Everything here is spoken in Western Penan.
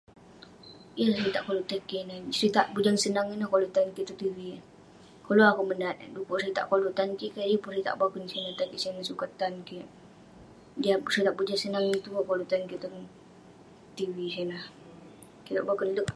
Yah seritak koluk tan kik ineh, seritak Bujang Senang ineh koluk tan kik tong TV. Koluk akeuk menat eh dukuk seritak koluk tan kik keh yeng pun seritak boken sineh tan kik sineh sukat tan kik. Jah sitak Bujang senang ineh tuek koluk tan kik tong TV sineh. Kirak boken leq ak-.